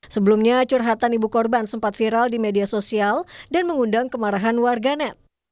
sebelumnya curhatan ibu korban sempat viral di media sosial dan mengundang kemarahan warganet